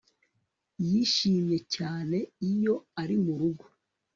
Yishimye cyane iyo ari murugo